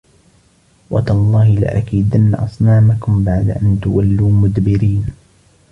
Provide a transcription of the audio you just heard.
وتالله لأكيدن أصنامكم بعد أن تولوا مدبرين